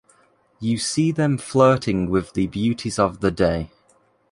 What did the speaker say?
You see them flirting with the beauties of the day.